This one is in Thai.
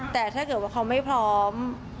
แต่ถ้าเกิดว่าเขาไม่พร้อม